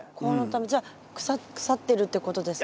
じゃあ腐ってるってことですか？